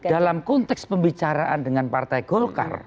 dalam konteks pembicaraan dengan partai golkar